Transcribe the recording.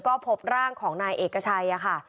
ก็พบร่างของนายเอกชัยค่ะ